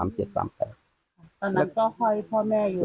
ตอนนั้นก็ห้อยพ่อแม่อยู่